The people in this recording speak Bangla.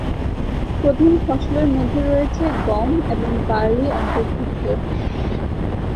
প্রধান ফসলের মধ্যে রয়েছে গম এবং বার্লি অন্তর্ভুক্ত।